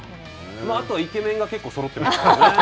あとは、イケメンが結構そろってますよね。